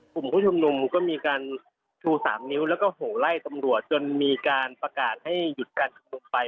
กลุ่มผู้ชุมนุมก็มีการชู๓นิ้วแล้วก็โหไล่ตำรวจจนมีการประกาศให้หยุดการชุมนุมไป